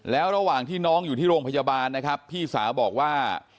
แล้วระหว่างที่น้องอยู่ที่โรงพยาบาลนะครับพี่สาวบอกว่า